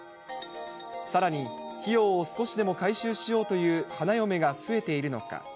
さらに、費用を少しでも回収しようという花嫁が増えているのか。